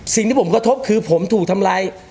สิ่งที่ผมกระทบคือผมถูกทำลาย